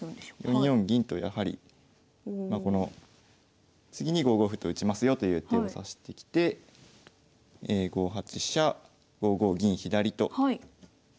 ４四銀とやはり次に５五歩と打ちますよという手を指してきて５八飛車５五銀左と。